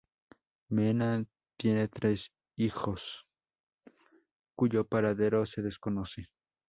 Meena tiene tres hijos cuyo paradero se desconoce.